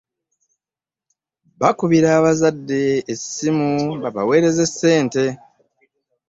Bakubira abazadde essimu babaweereze ssente.